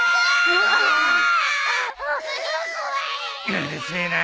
うるせえなあ。